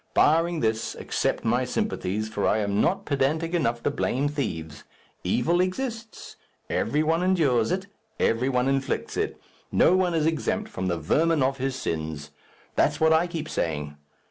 Barring this, accept my sympathies, for I am not pedantic enough to blame thieves. Evil exists. Every one endures it, every one inflicts it. No one is exempt from the vermin of his sins. That's what I keep saying.